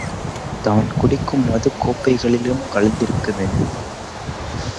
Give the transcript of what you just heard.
தான் குடிக்கும் மதுக்கோப்பைகளிலும் கலந்திருக்க வேண்டும்.